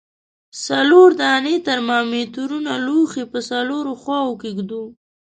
څلور دانې ترمامترونه لوښي په څلورو خواو کې ږدو.